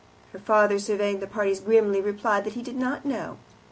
Her father, surveying the parties grimly, replied that he did not know.